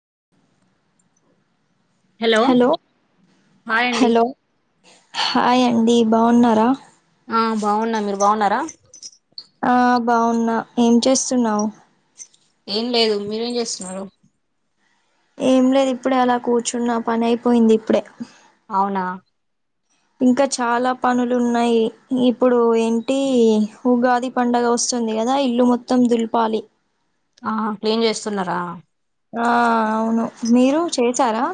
[inaudible] Hello hi అండి hello hi అండి బాగున్నారా బాగున్న మీరు బాగున్నారా ఆ బాగున్నా ఏం చేస్తున్నావు ఏం లేదు మీరేం చేస్తున్నారు ఏం లేదు ఇప్పుడే అలా కూర్చున్న పని అయిపోయింది ఇప్పుడే. అవునా ఇంకా చాలా పనులు ఉన్నాయి ఇప్పుడు ఏంటి ఉగాది పండగ వస్తుంది కదా ఇల్లు మొత్తం దులిపాలి. ఆ క్లీన్ చేస్తున్నారా. ఆ అవును మీరు చేసారా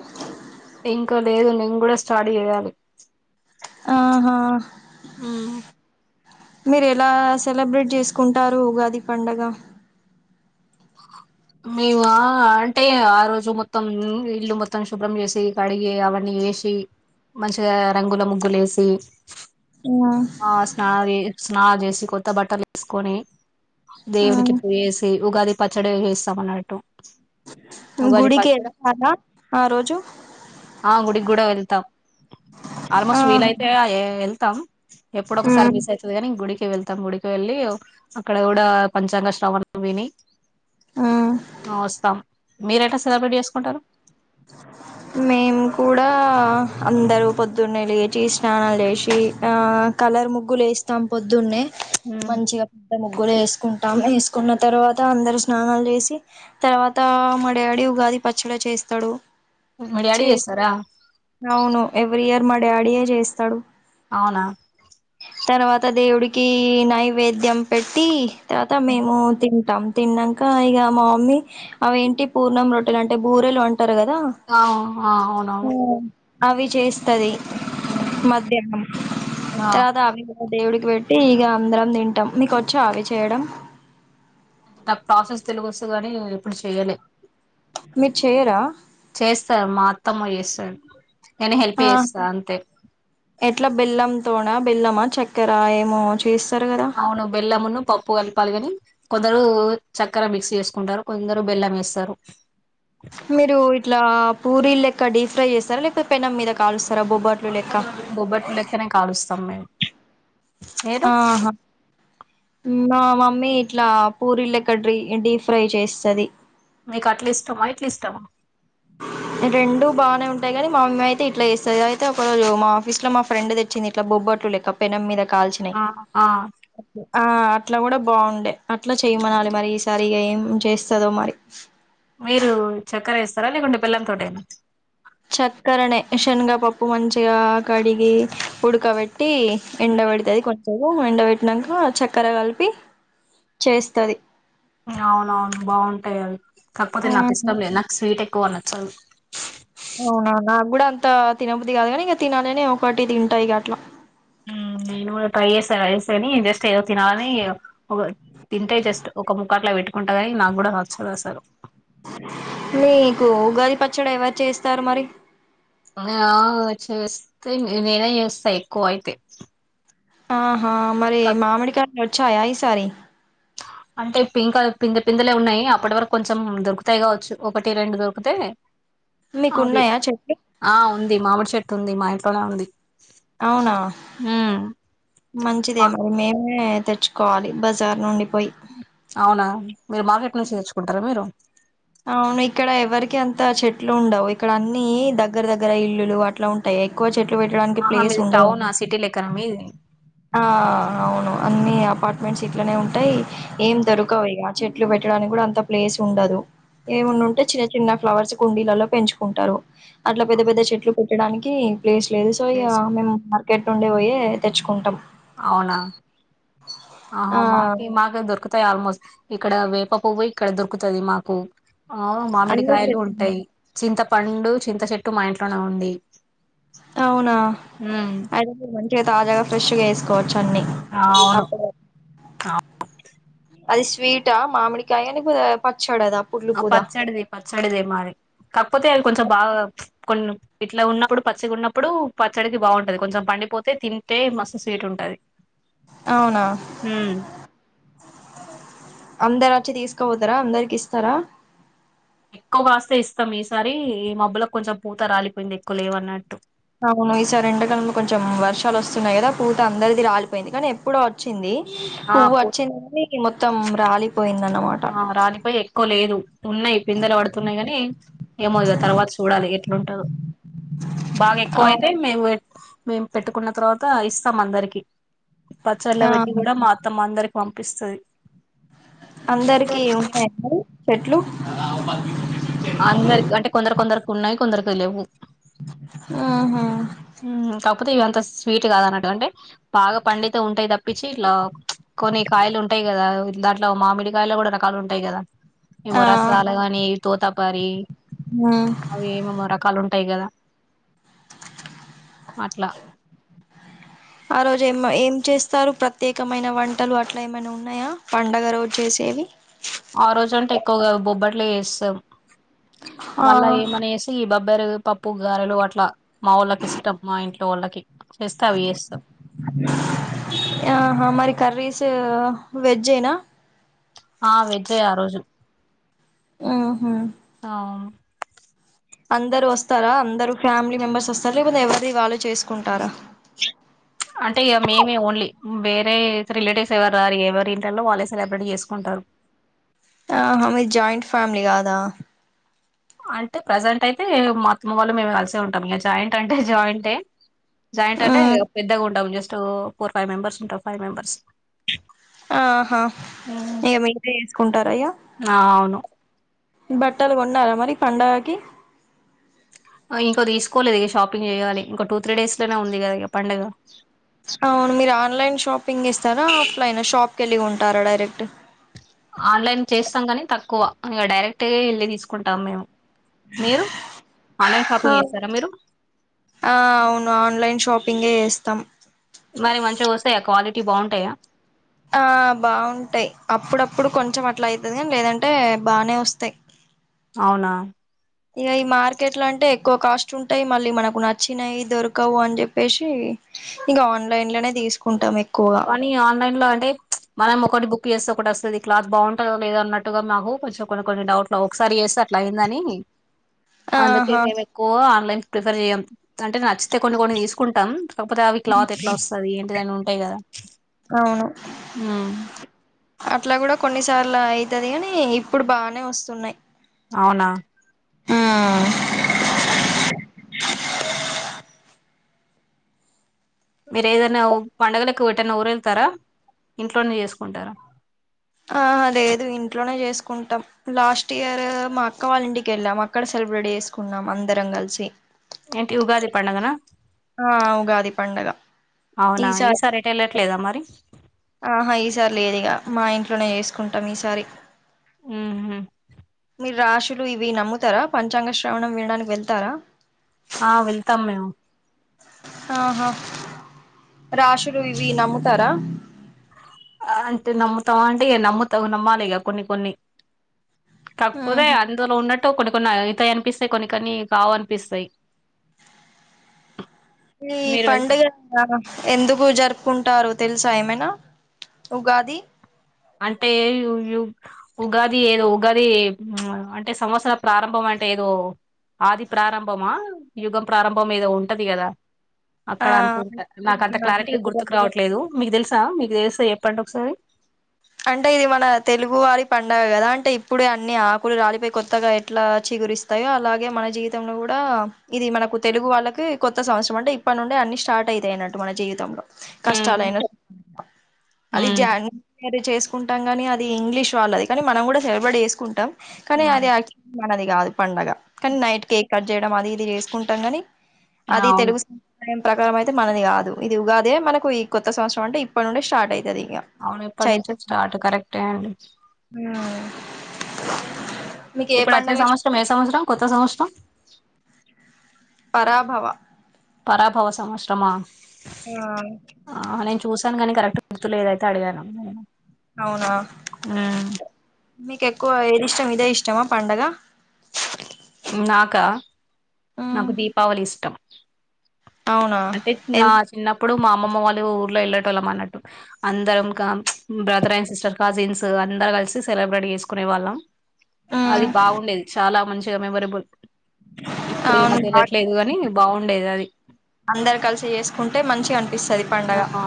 ఇంకో లేదు నేను కూడా స్టార్ట్ చేయాలి. ఆహా మ్మ్ మీరు ఎలా సెలబ్రేట్ చేసుకుంటారు ఉగాది పండగ మేము అంటే ఆ రోజు మొత్తం ఇల్లు మొత్తం శుభ్రం చేసి కడిగి అవన్నీ వేసి మంచిగా రంగుల ముగ్గులు వేసి ఆ ఆ స్నానా స్నానాదేసి కొత్త బట్టలు వెసుకొని ఆ దేవునికి పువేసి ఉగాది పచ్చడి వ స్తావన్నట్టు ఉగాజ ప గుడికి వెళ్తారా ఆ రోజు ఆ గుడికి కూడా వెళ్తాం ఆ ఆల్మోస్ట్ వీలయితే వె తం ఎప్పుడ ఒకసారి మిస్ అవుతుంది నీ ఇ గుడికి వెళ్తు ఉత్తమ్ గుడికి వెళ్ళి అక్కడ కూడా పంచాంగ శ్రవణం విని ఆ వస్తాం మీరు ఎట్లా సెలబ్రేట్ చేసుకుంటారు మేము కూడా అందరు పొద్దున్నే లేచి స్నానాలు లేసి ఆ కలర్ ముగ్గులుేస్తాం పొద్దున్నే ఉమ్. మంచిగా పెద్ద ముగ్గుర వేసుకుంట వేసుకున్న తర్వాత అందరు స్నానాలు చేసి తర్వాత మా డాడి ఉగాది పచ్చడి చేస్త తడు మీ డాడీ చేస్తారా అవును ఎవ్రీ ఇయర్ మ డాడియే చేస్తాడు అవునా తర్వాత దేవుడికి నైవేద్యం పెట్టి తర్వాత మేము తింటాం తిన్నాక ఇక మా మమ్మీ అవిేంటి పూర్ణం రొట్టెలు అంటే బూరెలు అంట ఆ అవునవును అవి చేస్తది ఉమ్. మధ్యం ఆ తర్వాత అవి దేవుడికి పెట్టి ఇక అందరం తింటాం మీక వచ్చా ఆవి చేయడం అంటే నాకు ప్రాసెస్ తెలుసు కాని ఎప్పుడు చేయలే మీరు చేయరా చేస్తారు మా అత్తమ్మ చేస్తారు ఆ ఎట్లా బెల్లం తోన బెల్లమా చక్కర ఏమో చేస్తారు కదా అవును బెల్లమును పప్పు కలపాలి కాని కొందరు చక్కెర మిక్సీ చేసుకుంటారు కొందరు బెల్లం వేస్తారు మీరు ఇట్లా పూరీ లెక్క డీ ఫ్రై చేస్తారా లేకపోతె పెనం మీద కాలుస్తారా బొబ్బట్లు లెక్క బొబ్బట్లు లెక్కనే కాలుస్తాం మేము మీరు ఆహా మా మమ్మీ మ్మీ ఇట్లా పూరీల లెక్క డీ ఫ్రై చేస్తది మీకు అట్ల ఇష్టమా ఇట్ల ఇష్టమా రెండు బానే ఉంటాయి కానీ మా మమ్మీ అయితే ఇట్లా చేస్తది. అయితే ఒక రోజు మా ఆఫీస్ లో మా ఫ్రెండ్ తెచ్చింది. ఇట్లా బొబ్బట్లు లెక్క పెనం మీద కాల్చినై ఆ ఆ ఆ అట్లా కూడా బాగుండే అట్లా చేయమనాలి. మరి ఈసారి ఇగ ఏం చేస్తదో మరి మీరు చక్కర వేస్తారా లేకుంటే బెల్లం తోటేన చక్కరనే శనగా పప్పు మంచిగా కడిగి ఉడ్కబెట్ టి ఉమ్ ఎండబడుతది కొంచెం ఎండ పెట్టినంక చక్కర కలిపి చేస్తది. అవునవును బాగుంటాయి అవి కాకపోతే ఆ నాకు ఇష్టం లేదు నాకు స్వీట్ ఎ ఎక్కువ నచ్చదు అవునా నాగూడ అంత తినబుద్ధి గాదు గాని తినననే ఒకటి తింటా ఇగ అట్ల ఉమ్ నేను కూడా ట్రై చేస్తే వెస్ట్ అని జస్ట్ ఏదో తినాలని ఉ తింటే జస్ట్ ఒక మ్ ఒక అట్లా పెట్టుకుంటా కానీ నాకు కూడ నచ్చదు అసలు నీకు ఉగాది పచ్చడి ఎవరు చేస్తారు మరి ఆ చేస్తే నేనే చేస్తా ఎక్కువ అయితే ఆ ఆ మరి మామిడి కాయ్ వచ్చాయా ఈ సారి అంటే పింక్ పింద పిందలే ఉన్నాయి. అప్పటి వరకు కొంచెం దొరుకుతాయి కావచ్చు. ఒకటి రెండు దొరికితే మీకు అవి ఉన్నాయా చెట్లు ఆ ఉంది మామిడి చెట్టు ఉంది మాయ తనా ఉంది అవునా ఉమ్ మంచిదే ఆ మరి మేమే తెచ్చుకోవాలి బజార్ నుండి పోయి అవునా మీరు మార్కెట్ నుంచి చేర్చుకుంటరా మీరు అవును ఇక్కడ ఎవరికి అంత చెట్లు ఉండవు. ఇక్కడ అన్ని దగ్గర దగ్గర ఇల్లులు అట్లా ఉంటాయి. ఎక్కువ చెట్లు పెట్టడానికి ఆహా ప్లేస్ మీది ఉండదు టౌన్ ఆ సిటీ లెక్కన మీది ఆ అవును అన్ని అపార్ట్మెంట్స్ ఇట్లనే ఉంటయ్ ఏం హ్మ్. దొరకవు ఇగా చెట్లు పెట్టడానికి కూడా అంత ప్లేస్ ఉండదు. ఏమన్న ఉంటే చిన్న చిన్న ఫ్లవర్స్ కుండీలలో పెంచుకుంటారు. అట్ల పెద్ద పెద్ద చెట్లు పెట్టడానికి ప్లేస్ లేదు సో ఇగ ప్లేస్ మేము గెట్టుండి పోయి తెచ్చుకుంటాం. అవునా ఆ మాకి మాక దొరుకుతాయి ఆల్మోస్ట్ ఇక్కడ వేప పువ్వు ఇక్కడ దొరుకుతది మాకు ఆ అన్ని మామిడికాయలు చెట్లున్నాయి ఉంటాయి, చింత పండు చింత చెట్టు మా ఇంట్లోనే ఉంది. అవునా ఉమ్ అయితే మంచిగా తాజాగా ఫ్రెష్ వేస్ వచ్చు అన్ని అవును అప్పుడె, అది స్వీట్ ఆ మామిడికాయ లేకపోతే ప ఆ పచ్చడిదె, పచ్చడిదె మరి కాకపోతే అది కొంచెం బాగా కొన్ని ఇట్లా ఉన్నప్పుడు పచ్చిగా ఉన్నప్పుడు పచ్చడికి బాగుంటది, కొంచెం పండిపోతే తింటే మస్తు స్వీట్ ఉంటది. అవునా ఉమ్ అందరు వచ్చి తీసుకు పోతారా అందరికి ఇస్తారా, ఎక్కువ కాస్తే ఇస్తాం, ఈసారి ఈ మబ్బులకు కొంచెం పూత రాలిపోయింది, ఎక్కువ లేదు అన్నట్టు అవును ఈసారి ఎడాకాలంలో కొంచెం వర్షాలు వస్తున్నాయి, కదా పూత అందరిది రాలిపోయింది, కానీ ఎప్పుడో వచ్చింది. ఆ పువ్వు పూ వచ్చింది కానీ మొత్త మొత్తం రాలి, ఆ రాలి పోయి ఎక్కువ లేదు, ఉన్నాయి పిందలు పడుతున్నాయి. కాని ఏమో ఇగా తర్వాత చూడాలి ఎట్లుంటదో బాగా ఎక్కువ అవు అయితే మేకు, మేం పెట్టుకున్న తర్వాత ఇస్తాం, అందరికి పచ్చళ్లు ఆ పెట్టి కూడా మా అత్తమ్మ అందరికి, పంపిస్తాది. అందరికి ఉండయా మరి చెట్లు, [unintelligible] అందరికి అంటే కొందరు కొందరికి ఉన్నాయి. కొందరకి లేవు ఆహా ఉమ్, కాకపోతే ఇవి అంత స్వీట్ కాద అన్నట్టు అంటే బాగా పండితే ఉంటాయి, తప్పించి ఇట్లా కొన్ని కాయలు ఉంటాయి కదా దాంట్లో మామిడికాయలు కూడా రకాలు ఉంటాయి కదా, ఏవో ఆ రాసాలుగాని, తో తప్ పరి హ్మ్. అవి ఏమేమో రకాలు ఉంటాయి. కదా అట్లా ఆ రోజు ఏమ ఏం చేస్తారు, ప్రత్యేకమైన వంటలు అట్లా ఏమైనా ఉన్నాయా పండగ రోజు చేసేవి, ఆ రోజు అంటే ఎక్కువగా బొబ్బట్లు చేస్తాం. ఆ మళ్ళా ఏమనేసి ఈ బ బోబ్బర పప్పు గారెలు అట్లా మా వాళ్ళకి ఇష్టం మా ఇంట్లో వాళ్ళకి, చేస్తే అవి చేస్తాం ఆహా మరి కర్రీస్ వెజేనా ఆ వేజె ఆ రోజు ఉహు ఆ అందరు వస్తారా అందరుూ ఫ్యామిలీ మెంబర్స్ వస్తారుా లేకు ఎవరి వాళ్ళు చేసుకో అంటే ఇక మేమే ఓన్లీ వేరే రిలేటివ్స్ ఎవరు రారు ఎవరి ఇట్లో వాళ్ళే సెలబ్రేట్ చేసుకుంటారు ఆహ మీది జాయింట్ ఫ్యామిలీ కాదా అంటే ప్రజెంట్ అయితే మొత్తం వల్ల మేము కలిసే ఉంటాం ఇక జాయింట్ అంటే జాయింట్ే జాయింట్ అంటే ఉమ్ పెద్దగా ఉంటాము జస్ట్ ఫోర్ ఫైవ్ మెంబర్స్ ఉంటా్ ఫైవ్ మెంబర్స్ ఆహా ఇక మీరే వేసుకుంటార ఇగ ఆ అవును బట్టలు కొన్నారా మరి పండగకి ఇంక తీసుకోలేదు ఇ షాపింగ్ చేయాలి ఇంకా టూ త్రీ డేస్ లోనే ఉంది కద ఇ పండుగ అవును మీరు ఆన్లైన్ షాపింగ్ ఇస్తారా ఆఫ్లైన్ షాప్కి వెళ్ళి ఉంటారా డైరెక్ట్ ఆన్లైన్ చేస్తాం కాని తక్కువ ఇ డైరెక్ట్ వెళ్ళి తీసుకుంటాం మేము మీరు ఆన్లైన్ షాపింగ్ చేస్తారా మీరు ఆ అవును ఆన్లైన్ షాపింగే చేస్తాం మరి మంచిగా వస్తాయా క్వాలిటీ బాగుంటాయా ఆ బాగుంటాయి అప్పుడప్పుడు కొంచెం అట్లా అవుతుది కాని లేదంటే బానే వస్తాయి అవునా ఇక ఈ మార్కెట్ లో అంటే ఎక్కువ కాస్ట్ ఉంటాయి మళ్ళీ మనకు నచ్చినాయి దొరకవు అని చెప్పేసి ఇక ఆన్లైన్ లోనే తీసుకుంటాం ఎక్కువగా కానీ ఆన్లైన్ లో అంటే మనం ఒకటి బుక్ చేస్తే ఒకటి వస్తుంది క్లాత్ బాగుంటుందో లేదో అన్నట్టుగా మాకు కొంచెం కొన్ని కొన్ని డౌట్లు ఒకసారి చేస్తే అట్లా అయిందని అందుకే ఆహా నేను ఎక్కువ ఆన్లైన్ ప్రిఫర్ చెయ్యం అంటే నచ్చితే కొన్ని కొన్ని తీసుకుంటం కాకపోతే అవి క్లాత్ ఎట్ల వస్తది అని ఏదైన ఉంటయి గద [inaudible] అవును అట్ల గుడా కొన్నిసార్లు అయితది అని ఇప్పుడు బానే వస్తున్నాయి అవున హ్మ్ ఆహా మీరు ఏదన పండుగలకు ఓటెన్న ఊరు వెళ్తారా ఇంట్లోనే చేసుకుంటర ఆ హా లేదు ఇంట్లోనే చేసుకుంటం లాస్ట్ ఇయర్ మా అక్క వాళ్ళ ఇంటికి ఎల్లాం అక్కడ సెలబ్రేట్ చేసుకున్నాం అందరం కలిసి ఏంటి ఉగాది పండగన ఆ ఉగాది పండగ అవునా ఈసారి ఎటు వెళ్ళట్లేదా మరి ఆహా ఈసారి లేదుఇగ మా ఇట్ ట్లోనే చేసుకుంటం ఈసారి ఉహు మీర్ రాశులు ఇవి నమ్ముతర పంచాంగ శ్రవణం వినడానికి వెళ్తారా అ వెళ్తాం మేము ఆహా రాశులు ఇవి నమ్ముతార అంటే నమ్ముతాం అంటే నమ్ముతావు నమ్మాలి ఇగ కొన్ని కొన్ని తప్పోతే ఉహు అందులో ఉన్నట్ కొన్ని కొన్ని అతాయి అనిపిస్తాయి కొన్ని కొన్ని కావునిపిస్తాయి ఈ పండగ ఎందుకు జరుపుకుంటారు తెల్ స ఎమైన ఉగాది అంటే ఉగాది ఏదో ఉగాది అంటే సంవత్సర ప్రారంభం అంటే ఏదో ఆది ప్రారంభమా యుగం ప్రారంభం ఏదో ఉంటది కదా ఆ అక్కడ అనుకుంట నాకు అంత క్లారిటీగ గుర్తుకు రావట్లేదు మీకు తెలుస్ మీకు తెలిస్తే చెప్పండి ఒకసారి అంటే ఇది మన తెలుగు వారి పండగ గదా అంటే ఇప్పుడే అన్ని ఆకులు రాలిపోయి కొత్తగా ఎట్ల చిగురిస్తాయో అలాగే మన జీవితంలో గుడ ఇది మనకు తెలుగు వాళ్ళకి కొత్త సంవత్సరం అంటే ఇప్పటి నుండే అన్ని స్టార్ట్ అవుతాయిన్నట్టు మన జీవితంలో కష్టాల ఉమ్, అయిన అది ఉమ్, జన్ అది చేసుకుంటాం గనీ అది ఇంగ్లీష్ వాళ్ళది కానీ మనం కూడా సెలెబ్రేట్ చేసుకుంటం కనీ అదే ఉమ్, అ అది కాదు పండగ కానీ నైట్ కే కట్ చేయడం అది ఇది చేసుకుంటం గనీ అది అవును తెలుగు సీ టైమ్ ప్రకారం అయితే మనది గాదు ఇది ఉగాదే మనకు ఈ కొత్త సంవత్సరం అంటే ఇప్పటి నుండే స్టార్ట్ అయితది ఇగ అవునే ప్పటి చైత్ర నుంచే స్టార్ట్ కరెక్టే అండి అ ఇప్పుడు అదే సంవత్సరం ఏ సంవత్సరం కొత్త సంవత్సరం పరాభవ పరాభవ సంవత్స్రమా ఆ ఆ నేను చూసాను కానీ కరెక్ట్ గుర్తులేదు అయితే అడిగాను అవునా ఉమ్, మీకు ఎక్కువ ఏది ఇష్టం ఇదే ఇష్టమా పండగ నాకా మ్మ్ నాకు దీపావళి ఇష్టం అవునా [inaudible] అంటే నా ఎన్ చిన్నప్పుడు మా అమ్మమ్మ వాళ్ళు ఊర్లో వెళ్ళేటోల్లం అన్నట్టు అందరం బ్రదర్ అండ్ సిస్టర్ కజిన్స్ అందరు కలిసి సెలబ్రేట్ చేసుకునే వాళ్ళం మ్మ్ అది బాగుండేది చాలా మంచి మెమొరబుల్ ఇప్పుడు ఈ మధ్య అవునుగా వెళ్ళట్లేదు కాని బాగుండేది అది అందరు కలిసి చేసుకుంటే మంచిగా అనిపిస్తది పండగ ఆ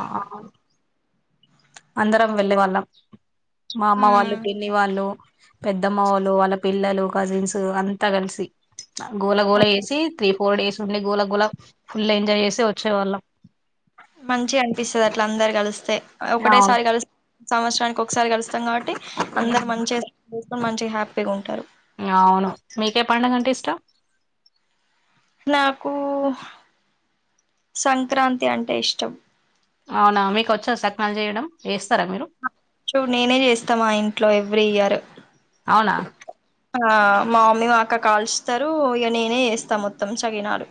అందరం వెళ్లే వాళ్ళం మా అమ్మ వాళ్ళు, మ్మ్ పిన్ని వాళ్ళు పెద్దమ్మ వాళ్ళు, వాళ్ళ పిల్లలు, కజిన్స్ అంతా కలిసి‌. గోల గోల చేసీ త్రీ ఫోర్ డేస్ ఉండి గోల గోల ఫుల్ ఎంజాయ్ చేసి వచ్చేవాళ్ళం. మంచిగ అనిపిస్తది అట్ల అందరు కలిస్తే. అవును ఒకటేసారి కల్సి సంవత్సరానికి ఒక్సారి కల్స్ స్తం కాబట్టి అందరు ఉమ్. మంచిగ [inaudible] మంచిగ హ్యాపీగా ఉంటారు అవును. మీకే పండగంటే ఇష్టం. నాకూ, సంక్రాంతి అంటే ఇష్టం. అవునా మీకొచ్చా సక్నాలు జేయడం. వేస్తారా మీరు. సో నేనే చేస్తామా ఇంట్లో ఎవ్రీ ఇయర్. అవునా ఆ మా మమ్మీ మా అక్క కాలుస్తరూ. ఇగ నేనే చేస్తా మొత్తం చకినాలు.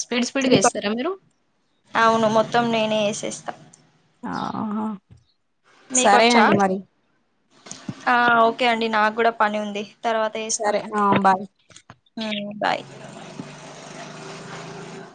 స్పీడ్ స్పీడ్గా చేస్తారా మీరు [inaudible] అవును మొత్తం నేనే ఏసేస్త్ అ ఆహ మీకొచ్చా ఆఓక్ ఓకే అండి నాక్ గూడా పని ఉంది. తర్వాత చేస్తా సరే ఆ బాయ్ ఉమ్ బాయ్